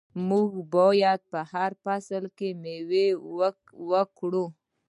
موږ باید په هر فصل کې میوه وکرو.